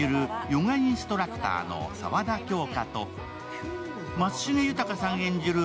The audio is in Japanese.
ヨガインストラクターの沢田杏花と松重豊さん演じる